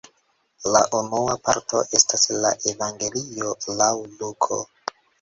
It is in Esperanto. La unua parto estas la evangelio laŭ Luko.